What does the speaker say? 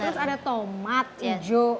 terus ada tomat hijau